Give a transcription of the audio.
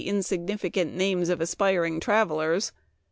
2 1 5 insignificant names of aspiring travelers.